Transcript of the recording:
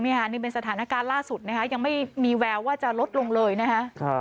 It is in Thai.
นี่เป็นสถานการณ์ล่าสุดยังไม่มีแววว่าจะลดลงเลยนะฮะ